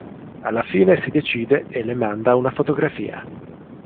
Alla fine si decide e le manda una fotografia.